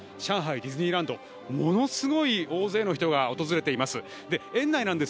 ディズニーランドものすごい大勢の人が訪れています。